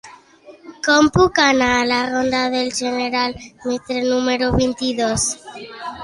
Com puc anar a la ronda del General Mitre número vint-i-dos?